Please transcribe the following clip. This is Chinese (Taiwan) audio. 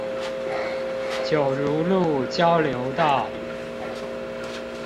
九如路交流道